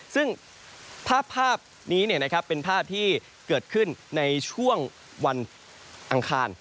ซึ่งภาพนี้เป็นภาพที่เกิดขึ้นในช่วงวันอังคาร